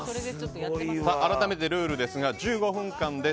改めて、ルールですが１５分間です。